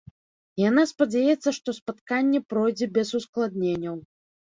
Яна спадзяецца, што спатканне пройдзе без ускладненняў.